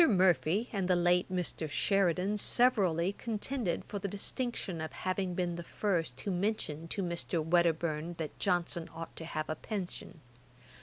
Murphy and the late Mr. Sheridan severally contended for the distinction of having been the first who mentioned to Mr. Wedderburne that Johnson ought to have a pension.